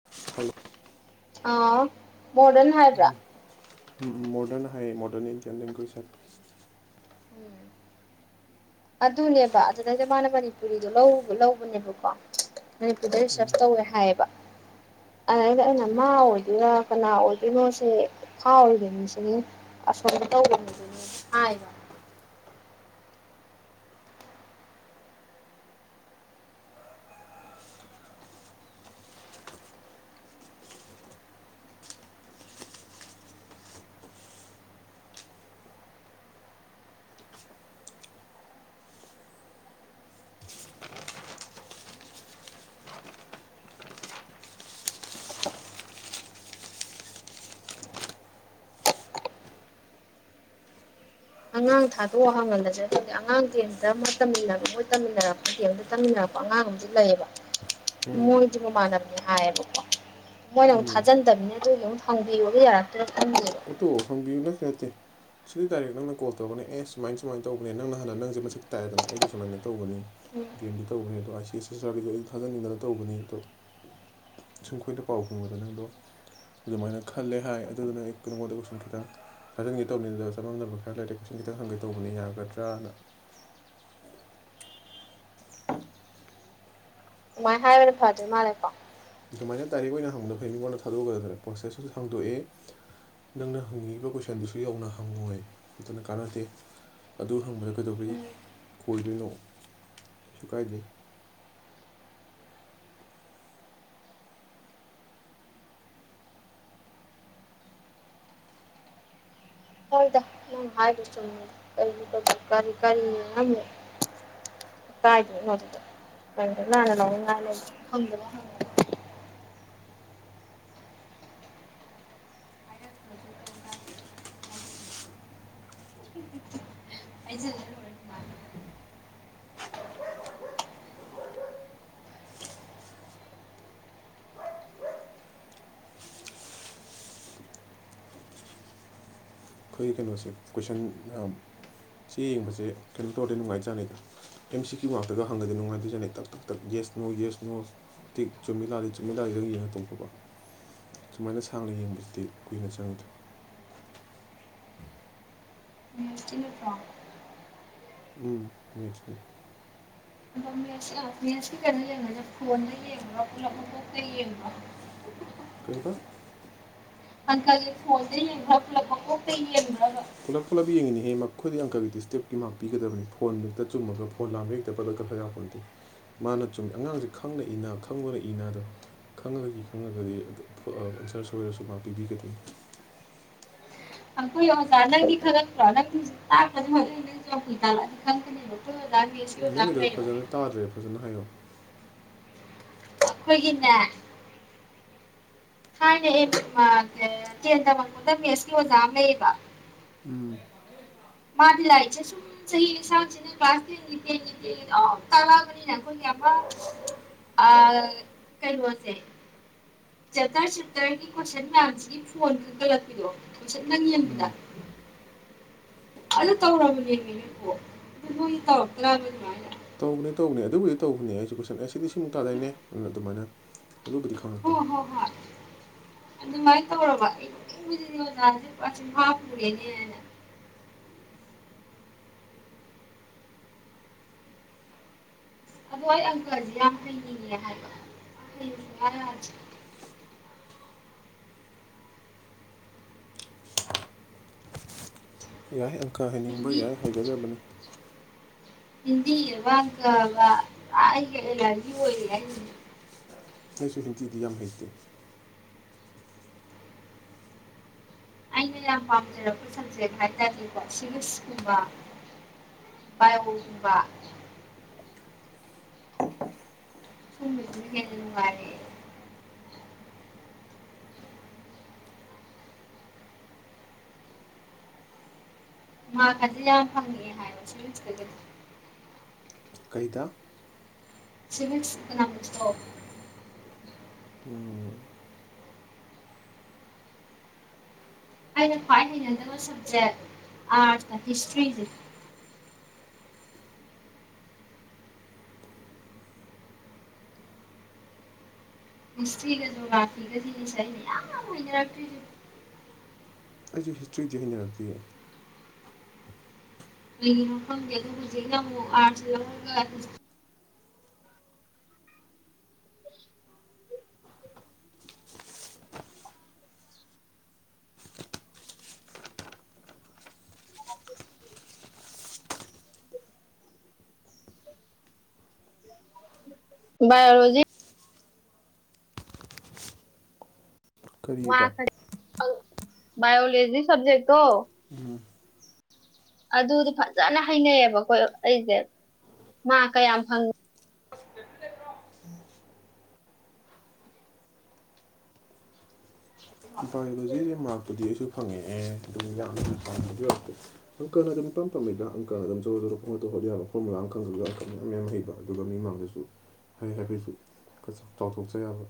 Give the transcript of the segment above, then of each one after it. [inaudible] [unintelligible] modern ꯍꯥꯏꯌꯦ modern Indian ꯂꯦꯡꯒꯣꯢꯁ ꯍꯥꯢꯌꯦ ꯎꯝ ꯑꯗꯨꯅꯦꯕ ꯑꯗꯨꯗꯩꯗ ꯃꯥꯅ ꯃꯅꯤꯄꯨꯔꯤꯗꯣ ꯂꯧ ꯂꯧꯕꯅꯦꯕꯀꯣ ꯃꯅꯤꯄꯨꯔꯗ ꯔꯤꯁꯔꯁ ꯇꯧꯋꯦ ꯍꯥꯏꯌꯦꯕ ꯑꯗꯩꯗ ꯑꯩꯅ ꯃꯥ ꯑꯣꯏꯗꯣꯏꯔꯥ ꯀꯅꯥ ꯑꯣꯏꯗꯣꯏꯅꯣꯁꯦ [unintelligible] ꯑꯁꯣꯗ ꯇꯧꯕꯅꯦ ꯑꯗꯨꯅꯦꯗꯤ ꯍꯥꯏꯕ ꯑꯉꯥꯡ ꯊꯥꯗꯣꯛꯑꯣ ꯍꯥꯡꯍꯜꯂꯁꯤꯔ ꯈꯪꯗꯦ ꯑꯉꯥꯡ [unintelligible] ꯑꯃ ꯇꯟꯅꯕ ꯃꯣꯏ ꯇꯃꯤꯟꯅꯔꯛꯄ ꯗꯤ ꯑꯝ ꯇꯃꯤꯟꯅꯔꯛꯄ ꯑꯉꯥꯡ ꯑꯃꯗꯤ ꯂꯩꯌꯦꯕ ꯎꯝ ꯃꯣꯏꯒꯤ ꯃꯃꯥꯟꯅꯕꯅꯦ ꯍꯥꯏꯌꯦꯕꯀꯣ ꯃꯣꯏꯅ ꯑꯃꯨꯛ ꯎꯝ ꯊꯥꯖꯟꯗꯝꯅꯤꯅ ꯑꯗꯨꯒꯤ ꯑꯃꯨꯛ ꯍꯪꯕꯤꯌꯣꯗꯣ ꯌꯥꯔꯛꯇꯔꯥ [unintelligible] [unintelligible] ꯁꯤꯗꯤ ꯗꯥꯏꯔꯦꯛ ꯅꯪꯅ ꯀꯣꯜ ꯇꯧꯕꯅꯦ ꯑꯦ ꯁꯨꯃꯥꯏꯅ ꯁꯨꯃꯥꯏꯅ ꯇꯧꯕꯅꯦ ꯅꯪꯅ ꯍꯥꯟꯅ ꯅꯪꯁꯦ ꯃꯁꯛ ꯇꯥꯛꯌꯦꯗꯅ ꯑꯩꯁꯦ ꯁꯨꯃꯥꯏꯅ ꯇꯧꯕꯅꯤ ꯎꯝ ꯗꯤ ꯑꯦꯝꯗ ꯇꯧꯕꯅꯦ ꯑꯗꯣ ꯑꯥꯏ ꯁꯤ ꯑꯦꯁ ꯑꯦꯁ ꯑꯥꯔꯒꯤꯗꯣ ꯑꯩꯩꯅ ꯊꯥꯖꯟꯅꯤꯡꯗꯅ ꯇꯧꯕꯅꯤ ꯑꯗꯣ ꯁꯨꯝ ꯈꯣꯏꯅ ꯄꯥꯎ ꯐꯪꯕꯗ ꯅꯪꯗꯣ ꯑꯗꯨꯃꯥꯏꯅ ꯈꯜꯂꯦ ꯍꯥꯏ ꯑꯗꯨꯗꯨꯅ ꯅꯉꯣꯟꯗ ꯀꯣꯏꯁꯟ ꯈꯤꯇꯪ ꯍꯥꯢꯔꯝꯒꯦ ꯇꯧꯕꯅꯤꯗꯨꯗ ꯆꯃꯝꯅꯕ ꯈꯔ ꯂꯩꯔꯦ ꯀꯣꯏꯁꯟ ꯈꯤꯇꯪ ꯍꯪꯒꯦ ꯇꯧꯕꯅꯤ ꯌꯥꯒꯗ꯭ꯔꯅ ꯑꯗꯨꯃꯥꯢ ꯍꯥꯏꯕꯅ ꯐꯗꯣꯏ ꯃꯥꯜꯂꯦꯀꯣ ꯑꯗꯨꯃꯥꯏꯅ ꯇꯥꯏꯔꯤꯛ ꯑꯣꯏꯅ ꯍꯪꯕꯗ ꯑꯩ ꯃꯤꯉꯣꯟꯗ ꯊꯥꯗꯣꯛꯑ ꯄ꯭ꯔꯣꯁꯦꯁꯁꯨ ꯍꯥꯡꯗꯣꯛꯑꯦ ꯅꯪꯅ ꯍꯪꯅꯤꯡꯉꯤꯕ ꯀꯣꯏꯁꯟꯗꯨꯁꯨ ꯌꯧꯅ ꯍꯪꯉꯣꯏ ꯑꯗꯨꯅ ꯀꯥꯟꯅꯗꯦ ꯑꯗꯨ ꯍꯪꯕꯗ ꯀꯩꯗꯧꯕꯩ ꯎꯝ ꯀꯣꯏꯗꯣꯏꯅꯣ ꯀꯩꯁꯨ ꯀꯥꯏꯗꯦ ꯍꯣꯢꯗ ꯅꯪꯅ ꯍꯥꯢꯗꯣ ꯆꯩꯝꯃꯦꯗ ꯀꯔꯤ ꯀꯔꯤ ꯀꯔꯤ [unintelligible] [unintelligible] ꯍꯥꯢꯖꯜꯂ ꯂꯣꯢꯔꯦ ꯑꯗꯨꯃꯥꯢꯅ ꯑꯩꯈꯣꯏ ꯀꯩꯅꯣꯁꯦ ꯀꯣꯏꯁꯟ ꯆꯦ ꯌꯦꯡꯕꯁꯦ ꯀꯩꯅꯣ ꯇꯧꯔꯗꯤ ꯅꯨꯡꯉꯥꯏꯖꯥꯠꯅꯤꯗ ꯑꯦꯝ ꯁꯤ ꯀ꯭ꯌꯨ ꯉꯥꯛꯇꯒ ꯍꯪꯉꯗꯤ ꯅꯨꯡꯉꯥꯏꯗꯣꯢ ꯖꯥꯠꯅꯦ ꯇꯛ ꯇꯛ ꯇꯛ ꯌꯦꯁ ꯅꯣ ꯌꯦꯁ ꯅꯣ ꯇꯤꯛ ꯆꯨꯝꯃꯤ ꯂꯥꯜꯂꯤ ꯆꯨꯝꯃꯤ ꯂꯥꯜꯂꯤꯗꯪ ꯌꯦꯡꯉ ꯇꯝꯄꯀꯣ ꯁꯨꯃꯥꯏꯅ ꯁꯥꯡꯅ ꯌꯦꯡꯕꯁꯤꯗꯤ ꯀꯨꯏꯅ ꯆꯪꯉꯤꯗ [inaudible] ꯎꯝ ꯎꯝ [inaudible] ꯃꯦꯁꯀꯤ ꯀꯩꯅꯣ ꯌꯦꯡꯉꯅꯤ ꯐꯣꯟꯗ ꯌꯦꯡꯕꯔꯣ ꯄꯨꯂꯞ ꯃꯀꯣꯛꯇꯩ ꯌꯦꯡꯕ꯭ꯔꯣ [inaudible] ꯀꯩꯕ ꯑꯪꯀꯒꯤ ꯐꯣꯜꯗ ꯌꯦꯡꯕ꯭ꯔꯥ ꯄꯨꯂꯞ ꯃꯀꯣꯛꯇꯩ ꯌꯦꯡꯕ꯭ꯔꯥꯕ ꯄꯨꯂꯞ ꯄꯨꯂꯞ ꯌꯦꯡꯉꯤꯅꯤꯍꯦ ꯃꯈꯣꯏꯗꯤ ꯑꯪꯀꯒꯤꯗꯤ ꯁ꯭ꯇꯦꯞꯀꯤ ꯃꯥꯥꯛ ꯄꯤꯒꯗꯕꯅꯤ ꯐꯣꯟ ꯍꯦꯛꯇ ꯆꯨꯝꯃꯒ ꯐꯣꯟ ꯂꯥꯥꯟꯕꯩ ꯄꯦꯄ꯭ꯔꯗ ꯂꯣꯢ ꯀꯥꯛꯊꯥꯠ ꯌꯥꯄꯣꯟꯇꯦ ꯃꯥꯅ ꯆꯨꯝꯃꯤ ꯑꯉꯥꯡꯁꯦ ꯈꯪꯅ ꯏꯅ ꯈꯪꯗꯅ ꯏꯅꯗꯣ ꯈꯪꯉꯒ ꯢ ꯈꯪꯉꯒ ꯢ ꯑꯗꯨ ꯑꯟꯁꯔ ꯁꯣꯏꯔꯁꯨ ꯃꯥꯛ ꯄꯤꯕꯤꯒꯗꯣꯏꯅꯤ ꯑꯪꯣꯗꯤꯔꯣ ꯇ ꯄꯤꯪ [inaudible] ꯑꯩꯈꯣꯢ ꯑꯣꯖꯥꯒꯤ ꯅꯪꯒꯤꯗꯣ ꯐꯖꯅ ꯇꯥꯗ꯭ꯔꯦ ꯐꯖꯅ ꯍꯥꯏꯌꯣ ꯑꯩꯈꯣꯏꯒꯤꯅꯦ ꯊꯥꯏꯄꯅꯦ ꯇꯦꯟ ꯇꯥꯝꯃꯛꯄꯕ ꯃꯦꯠꯁꯀꯤ ꯑꯣꯖꯥ ꯑꯃ ꯂꯩꯌꯦꯕ ꯎꯝ ꯃꯥꯗꯤ ꯂꯥꯏꯔꯤꯛꯁꯦ ꯁꯨꯝꯝ ꯆꯍꯤ ꯂꯤꯁꯪ ꯁꯤꯠꯅ ꯀꯂ꯭ꯥꯁ ꯇꯦꯟꯒꯤ ꯇꯦꯟꯒꯤ ꯇꯦꯟꯒꯤ ꯑꯗꯨꯝ ꯇꯛꯂꯛ ꯑꯕꯅꯤꯅꯥ ꯑꯩꯈꯣꯢꯒꯤ ꯑꯃꯥ ꯑꯥ ꯀꯩꯅꯣꯁꯦ ꯆꯦꯞꯇꯔ ꯁꯦꯞꯇꯔꯒꯤ ꯀꯣꯏꯁꯟ ꯃꯌꯥꯝꯁꯤꯒꯤ ꯐꯣꯟ ꯈꯟꯒꯠꯂꯛꯄꯤꯗꯣ ꯀꯣꯏꯁꯟ ꯇꯪ ꯌꯦꯡꯕꯤꯗ ꯑꯗꯨ ꯇꯧꯔꯕꯅꯦꯃꯤ ꯅꯕꯣ ꯑꯗꯨ ꯅꯣꯏ ꯇꯧꯔꯛꯇ꯭ꯔꯕ ꯑꯗꯨꯃꯥꯏꯅ ꯇꯧꯅꯤ ꯇꯧꯕꯅꯤ ꯑꯗꯨꯕꯨꯗꯤ ꯇꯧꯕꯅꯤ ꯑꯩꯁꯨ ꯀꯣꯏꯁꯟ ꯑꯁꯤ ꯁꯤ ꯕꯤ ꯑꯦꯁ ꯁꯤ ꯑꯃꯨꯝ ꯇꯥꯛꯑꯝꯃꯦ ꯑꯗꯨꯃꯥꯢꯅ ꯑꯗꯨꯕꯨꯗꯤ ꯍꯣꯏ ꯈꯪꯉꯛꯄꯅꯦ ꯍꯣꯢ ꯍꯣꯏ ꯑꯗꯨꯃꯥꯏꯅ ꯇꯧꯔꯕ ꯑꯩꯏꯗꯤ ꯅꯣꯛꯅꯤꯡꯕꯁꯤ ꯑꯣꯖꯥꯥꯁꯤ ꯄꯨꯔ ꯆꯤꯝꯐ ꯄꯨꯔꯦꯅ ꯑꯗꯣ ꯑꯩ ꯑꯪꯀꯁꯦ ꯌꯥꯝ ꯍꯩꯅꯤꯡꯉꯦ ꯍꯥꯏꯕ ꯍꯩꯌꯨ ꯁꯨꯡꯌꯥ ꯌꯥꯗꯦ ꯌꯥꯏ ꯑꯪꯀ ꯍꯩꯅꯤꯡꯕ ꯌꯥꯏ ꯍꯥꯏꯒꯗꯕꯅꯤ ꯍꯤꯟꯗꯤꯕꯒꯕ ꯑꯣꯏꯔꯤ [inaudible] ꯑꯩꯁꯨ ꯍꯤꯟꯗꯤꯗꯤ ꯌꯥꯝ ꯍꯩꯇꯦ ꯑꯩꯅ ꯌꯥꯝ ꯄꯥꯝꯖꯔꯛꯄ ꯁꯕꯖꯦꯛ ꯍꯥꯏꯇꯥꯔꯗꯤꯀꯣ ꯁꯤꯚꯁꯀꯨꯝꯕ ꯕꯥꯢꯌꯣ ꯒꯨꯝꯕ ꯁꯨꯝꯕꯁꯤꯅꯥ ꯍꯦꯟꯅꯥ ꯅꯨꯡꯉꯥꯏꯔꯛꯌꯦ ꯃꯥ ꯈꯗꯤ ꯌꯥꯝ ꯐꯪꯉꯦ ꯍꯥꯏꯅ ꯁꯤꯁꯤ [inaudible] ꯀꯩꯗ ꯁꯤꯚꯤꯛꯁ ꯑꯦꯀꯣꯅꯣꯃꯤꯛ ꯇꯣ ꯎꯝ ꯑꯩꯅ ꯈ꯭ꯋꯥꯏ ꯍꯩꯅꯖꯕ ꯁꯕꯖꯦꯛ ꯑꯥꯔꯠꯁ ꯍꯤꯁꯇ꯭ꯔꯤꯁꯦ [unintelligible] ꯑꯩꯁꯨ ꯍꯤꯁꯇ꯭ꯔꯤꯗꯤꯦꯅꯤ ꯍꯥꯏꯗꯤꯌꯦ ꯑꯩꯪꯗ ꯍꯧꯁꯦ ꯑꯃ ꯑ ꯏꯌꯣꯂꯣꯖꯤ ꯃꯥ ꯀꯔꯤꯕ ꯕꯥꯌꯑꯣꯂꯣꯖꯤ ꯁꯕꯖꯦꯛ ꯇꯣ ꯑꯗꯨꯗꯤ ꯐꯖꯅ ꯍꯩꯅꯩꯌꯦꯕ ꯑꯩꯈ ꯑꯩꯁꯦ ꯃꯥ ꯀꯌꯥꯝ ꯐꯪ ꯕꯥꯏꯌꯣꯂꯣꯖꯤꯁꯦ ꯃꯥꯔꯛꯄꯨꯗꯤ ꯑꯩꯁꯨ ꯐꯪꯉꯛꯑꯦ ꯑꯗꯨꯝ ꯌꯥꯝꯅ [unintelligible] ꯑꯪꯀ ꯑꯗꯨꯝ ꯢꯄꯥꯝ ꯄꯝꯅꯩꯕ ꯑꯪꯀ ꯑꯗꯨꯝ ꯖꯣꯔꯣ ꯖꯣꯔꯣ ꯄꯪꯍꯣꯠꯇ ꯍꯣꯠ ꯌꯥꯕ ꯐꯣꯔꯃꯨꯂꯥ ꯑꯃ ꯈꯪꯈ꯭ꯔꯗꯤ ꯂꯣꯢꯔꯦ ꯀꯩꯁꯨ ꯌꯥꯝ ꯍꯩꯕ ꯑꯗꯨꯒ ꯃꯤꯃꯥꯡꯗꯁꯨ ꯍꯥꯏ ꯍꯥꯏꯕꯩꯁꯨ ꯆꯥꯎꯊꯣꯛꯆꯩ ꯍꯥꯏꯕ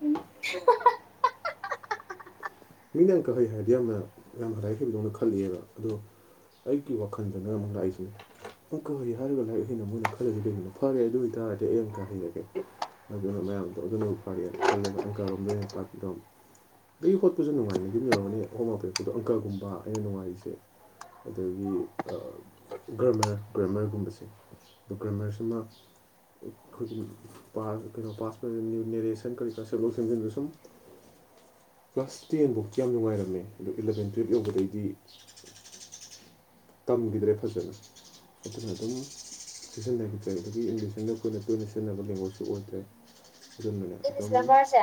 ꯎꯝ [inaudible] ꯃꯤꯅꯥ ꯑꯪꯀ ꯍꯩꯈ꯭ꯔꯗꯤ ꯌꯥꯝꯅꯥ ꯂꯥꯏꯔꯤꯛ ꯍꯩꯕꯗꯧꯅ ꯈꯜꯂꯦꯕꯥ ꯑꯩꯒꯤ ꯋꯥꯈꯜꯗꯅ ꯑꯃꯨꯛ ꯂꯥꯛꯏꯁꯦ ꯑꯪꯀ ꯍꯩ ꯍꯥꯏꯔꯒ ꯂꯥꯏꯔꯤꯛ ꯍꯩꯅ ꯃꯣꯏꯅ ꯈꯜꯂꯤꯁꯤ ꯀꯩꯒꯤꯅꯣ ꯐꯔꯦ ꯑꯗꯨ ꯑꯣꯏꯕꯇꯥꯔꯗꯤ ꯑꯩ ꯑꯪꯀ ꯍꯩꯔꯒꯦ ꯑꯗꯨꯅ ꯃꯌꯥꯝꯗꯣ ꯑꯗꯨꯅ ꯐꯔꯦꯅ ꯈꯜꯂꯒ ꯑꯪꯀꯔꯣꯝꯗ ꯑꯩꯅ ꯄꯥꯄꯤꯗꯣ [inaudible] ꯑꯗꯨ ꯑꯩꯈꯣꯏꯁꯨ ꯅꯨꯡꯉꯥꯏꯅ ꯌꯨꯝ ꯌꯧꯔꯒꯗꯤ ꯍꯣꯝꯋꯥꯛꯄꯤꯔꯛꯄꯗ ꯑꯪꯀ ꯒꯨꯝꯕ ꯑꯩꯅ ꯅꯨꯡꯉꯥꯏꯔꯤꯁꯦ ꯑꯗꯒꯤ ꯒ꯭ꯔꯃꯔ ꯒ꯭ꯔꯃꯔꯒꯨꯝꯕꯁꯦ ꯀ꯭ꯔꯃꯔꯁꯤꯃ ꯑꯩꯈꯣꯏꯒꯤꯥꯁ ꯀꯩꯅꯣ ꯄꯥꯁ ꯅ꯭ꯌꯨ ꯅꯦꯔꯦꯁꯟ ꯀꯔꯤ ꯀꯔꯥ ꯁꯦꯝꯗꯣꯛ ꯁꯦꯝꯖꯤꯟꯗ ꯁꯨꯝ ꯀ꯭ꯂꯥꯁ ꯇꯦꯟꯐꯧꯗꯤ ꯌꯥꯝ ꯅꯨꯡꯉꯥꯏꯔꯝꯃꯦ ꯑꯗꯣ ꯏꯂꯕꯦꯟ ꯇꯨꯌꯦꯞ ꯌꯧꯕꯗꯩꯗꯤ ꯇꯝꯈꯤꯗ꯭ꯔꯦ ꯐꯖꯅ ꯑꯗꯨꯅ ꯑꯗꯨꯝ ꯁꯤꯖꯤꯟꯅꯈꯤꯗ꯭ꯔꯦ ꯑꯗꯒꯤ ꯏꯪꯂꯤꯁꯁꯤꯅ ꯑꯩꯈꯣꯏꯅ ꯇꯣꯏꯅ ꯁꯤꯖꯤꯟꯅꯕ ꯂꯦꯡꯒ꯭ꯋꯦꯖꯁꯨ ꯑꯣꯏꯗ꯭ꯔꯦ ꯑꯗꯨꯝꯅꯅꯦ ꯏꯪꯂꯤꯁ ꯑꯗꯨꯝ ꯅꯝꯕꯔꯁꯦ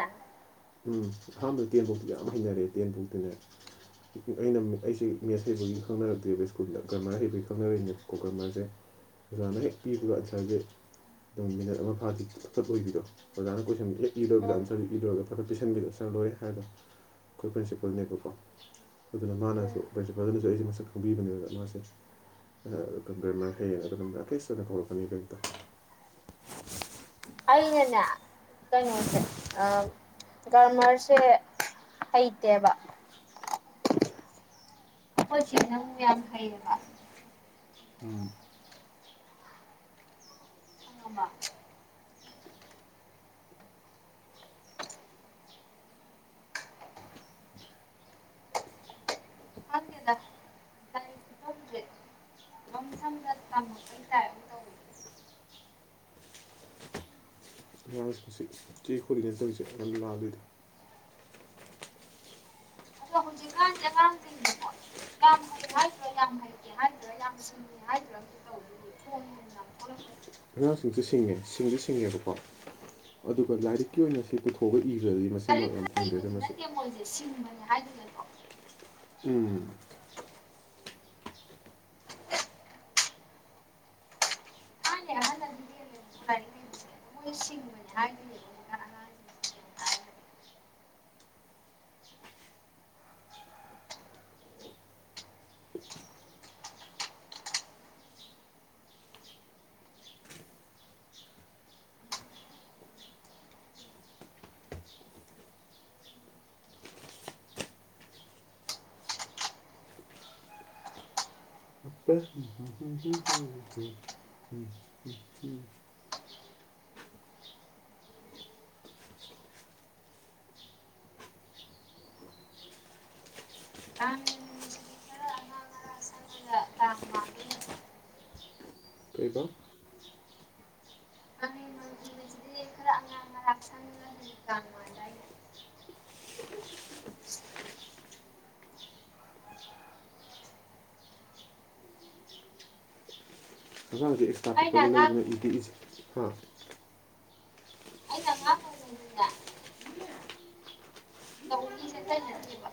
ꯎꯝ ꯑꯍꯥꯟꯕꯩ ꯇꯦꯟꯐꯥꯎꯗ ꯌꯥꯝ ꯍꯩꯅꯔꯦ ꯇꯦꯟꯐꯥꯎꯇꯅꯔꯦ [unintelligible] ꯑꯣꯖꯥꯗꯒꯤ ꯍꯦꯛ ꯄꯤꯕꯒ ꯑꯥꯟꯁꯔꯁꯦ ꯑꯗꯨꯝ ꯃꯤꯅꯠ ꯑꯃ ꯐꯥꯗꯤ ꯀꯛꯊꯠ ꯑꯣꯏꯕꯤꯔꯣ ꯑꯣꯖꯥꯅ ꯀꯣꯏꯁꯟꯕꯤꯂꯦ ꯏꯔꯣꯏꯕ ꯎꯝ ꯗꯥꯟꯁꯔ ꯏꯔꯣꯏꯒ ꯐꯖꯠ ꯄꯤꯁꯟꯕꯤꯔ ꯆꯠꯂꯣꯏ ꯍꯥꯏꯔꯣ ꯑꯩꯈꯣꯏ ꯄ꯭ꯔꯤꯟꯁꯤꯄꯜꯅꯦꯀꯣ ꯁꯗꯨꯅ ꯎꯝ ꯃꯥꯅꯁꯨ ꯈꯪꯕꯤꯕꯅꯦꯕꯗ ꯃꯥꯁꯦ ꯀ ꯭ꯔꯦꯃꯔ ꯍꯌꯦꯡ ꯑꯗꯨ ꯅꯀꯦꯁꯅ ꯀꯧꯔꯛꯀꯅꯤ ꯀꯔꯤꯗꯣ ꯑꯩꯅꯟꯅ ꯀꯩꯅꯩꯅꯣꯁꯦ ꯑ ꯒꯔꯃꯔꯁꯦ ꯍꯩꯇꯦꯕ [unintelligible] ꯍꯩꯕ ꯎꯝ ꯃꯥꯃ ꯑꯛꯄꯁꯤ ꯆꯦ ꯈꯣꯜꯂꯤꯉꯩꯇꯪꯁꯦ ꯌꯥꯝ ꯂꯥꯜꯂꯤꯗ ꯑꯗꯣ ꯍꯧꯖꯤꯛꯀꯥꯟ ꯑꯉꯥꯡꯁꯤꯡꯗꯤ ꯍꯣꯏ ꯌꯥꯝ ꯍꯩ ꯍꯥꯏꯗ꯭ꯔꯥ ꯌꯥꯝ ꯍꯩꯇꯦ ꯍꯥꯏꯗ꯭ꯔꯥ ꯌꯥꯝ ꯎ ꯍꯥꯏ ꯂ ꯑꯉꯥꯡꯁꯤꯡꯁ ꯁꯤꯡꯉꯦ ꯁꯤꯡꯁꯨ ꯁꯤꯡꯉꯦꯕꯀꯣ ꯑꯗꯨꯒ ꯂꯥꯏꯔꯤꯛꯀꯤ ꯑꯣꯏꯅ ꯁꯤ ꯄꯨꯊꯣꯛ ꯊꯣꯛ ꯏꯈ꯭ꯔꯗꯤ ꯀꯔꯤ ꯐꯔꯤꯕꯗꯤ ꯅꯠꯇꯦ ꯃꯣꯏꯁꯦ ꯁꯤꯡꯕꯅꯦ ꯍꯥꯏꯗꯨꯅꯀꯣ ꯎꯝ [unintelligible] ꯃ ꯅꯦ ꯍꯥꯏ ꯑꯄ ꯇ ꯎꯝ [unintelligible] [unintelligible] ꯑꯁꯤꯗꯤ ꯈꯔ ꯑꯉꯥꯡ ꯂꯥꯛꯁꯟꯉꯒꯗꯤꯉꯗꯥ [unintelligible] ꯍꯛꯆꯥꯡꯁꯦ ꯑꯦꯛꯁꯇ꯭ꯔꯥ ꯄꯤꯛꯄꯒ ꯂꯧꯗꯨꯅ ꯏ ꯄꯦꯛꯏꯁꯦ ꯍꯥ [unintelligible] ꯇꯧꯔꯤꯁꯦ ꯑꯇꯩꯅꯠꯇꯦꯕ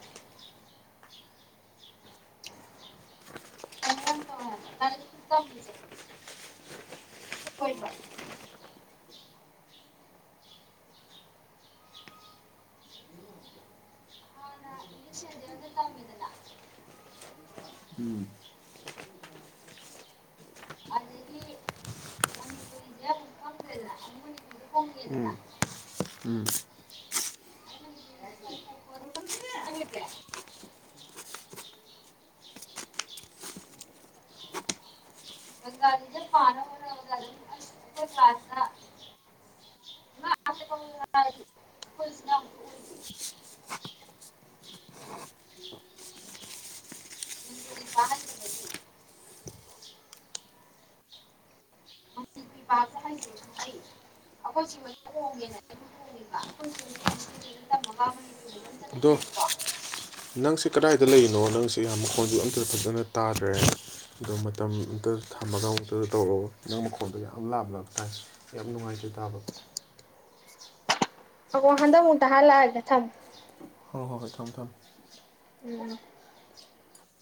[unintelligible] ꯍꯣꯏꯕ ꯇꯝꯃꯤꯗꯅ ꯎꯝ [unintelligible] ꯎꯝ [unintelligible] ꯒꯥꯔꯤꯗ ꯄꯥꯟꯅ ꯍꯣꯠꯅꯕꯗ ꯑꯗꯨꯝ ꯑꯩꯈꯣꯏ ꯀ꯭ꯂꯥꯁꯇꯥ ꯑꯩꯈꯣꯏꯁꯤꯅ ꯍꯧꯖꯤꯛ ꯑꯣꯏꯗꯤ [unintelligible] ꯍꯥꯏꯁ ꯁ ꯑꯩꯈꯣꯏ ꯁꯤꯒꯦꯅ ꯕ ꯑꯩꯈꯣꯏꯁꯨ ꯍꯧꯖꯤꯗꯨꯗ ꯇꯝꯃꯒꯩ ꯗꯣ ꯅꯪꯁꯦ ꯀꯗꯥꯏꯗ ꯂꯩꯔꯤꯅꯣ ꯅꯪꯁꯦ ꯌꯥꯝ ꯃꯈꯣꯡꯁꯨ ꯑꯝꯇꯗ ꯐꯖꯅ ꯇꯥꯗ꯭ꯔꯦ ꯑꯗꯣ ꯃꯇꯝ ꯑꯝꯇꯥ ꯊꯝꯃꯒ ꯑꯃꯨꯛꯇꯗ ꯇꯧꯔꯛꯑꯣꯕ ꯅꯪ ꯃꯈꯣꯟꯗꯣ ꯌꯥꯝ ꯂꯥꯞ ꯂꯞ ꯇꯥꯏ ꯌꯥꯝ ꯅꯨꯡꯉꯥꯏꯇꯦ ꯇꯥꯕ ꯑꯒ ꯋꯥ ꯍꯥꯟꯗꯨꯗ ꯍꯜꯂꯥꯛꯑꯒꯦ ꯊꯝ ꯍꯣꯏ ꯍꯣꯏ ꯍꯣꯏ ꯊꯝꯃꯦ ꯊꯝꯃꯦ ꯎꯝ